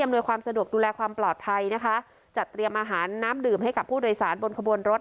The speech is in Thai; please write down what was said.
ความสะดวกดูแลความปลอดภัยนะคะจัดเตรียมอาหารน้ำดื่มให้กับผู้โดยสารบนขบวนรถ